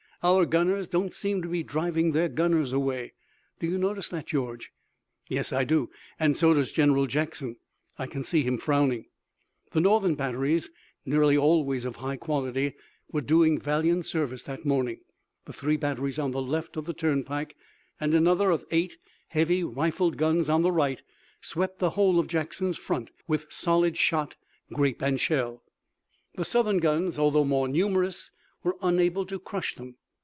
Our gunners don't seem to be driving their gunners away. Do you notice that, George?" "Yes, I do and so does General Jackson. I can see him frowning." The Northern batteries, nearly always of high quality, were doing valiant service that morning. The three batteries on the left of the turnpike and another of eight heavy rifled guns on the right, swept the whole of Jackson's front with solid shot, grape and shell. The Southern guns, although more numerous, were unable to crush them.